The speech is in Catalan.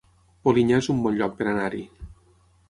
Polinyà es un bon lloc per anar-hi